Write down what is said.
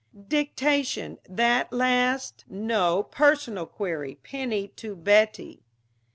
"Dictation that last?" "No, personal query, Penny to Betty."